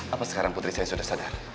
apa sekarang putri saya sudah sadar